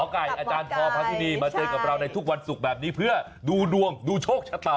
ไก่อาจารย์พอพระทินีมาเจอกับเราในทุกวันศุกร์แบบนี้เพื่อดูดวงดูโชคชะตา